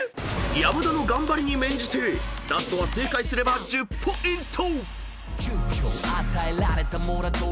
［山田の頑張りに免じてラストは正解すれば１０ポイント］